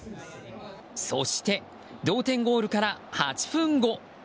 そして同点ゴールから８分後。